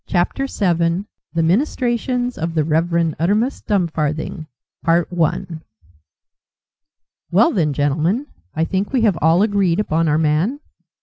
CHAPTER SEVEN: The Ministrations of the Rev. Uttermust Dumfarthing "Well, then, gentlemen, I think we have all agreed upon our man?"